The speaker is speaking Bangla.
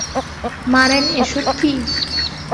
মারেন এসব কী?